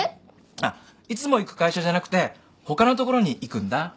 あっいつも行く会社じゃなくてほかの所に行くんだ。